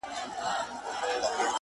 o هغې ويل ه ځه درځه چي کلي ته ځو،